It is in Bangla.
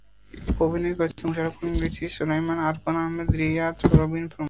অভিনয় করেছেন মোশাররফ করিম, রিচি সোলায়মান, আরফান আহমেদ, রিয়াদ, রবিন প্রমুখ।